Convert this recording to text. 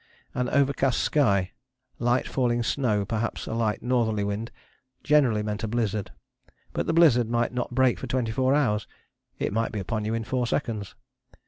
An overcast sky, light falling snow, perhaps a light northerly wind generally meant a blizzard, but the blizzard might not break for twenty four hours, it might be upon you in four seconds.